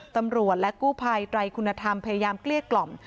ตำรวจและกู้ภัยไตรคุณธรรมพยายามเกลี้ยกล่อม